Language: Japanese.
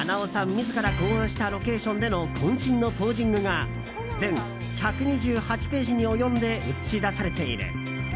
自ら考案したロケーションでの渾身のポージングが全１２８ページに及んで写し出されている。